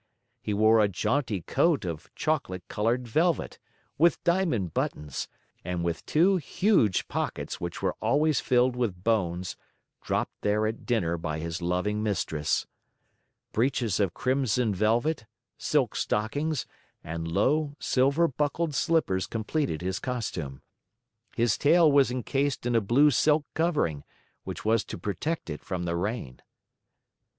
He wore a jaunty coat of chocolate colored velvet, with diamond buttons, and with two huge pockets which were always filled with bones, dropped there at dinner by his loving mistress. Breeches of crimson velvet, silk stockings, and low, silver buckled slippers completed his costume. His tail was encased in a blue silk covering, which was to protect it from the rain.